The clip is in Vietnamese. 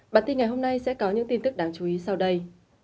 bản tin ngày hôm nay sẽ có những tin tức đáng chú ý sau đây